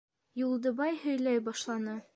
Юлдыбай һөйләй башланы.